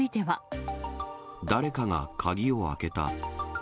誰かが鍵を開けた。